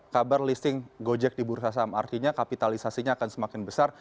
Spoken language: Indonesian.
kabar listing gojek di bursa saham artinya kapitalisasinya akan semakin besar